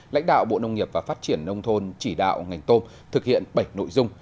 lãnh đạo bộ nông nghiệp và phát triển nông thôn chỉ đạo ngành tôm thực hiện bảy nội dung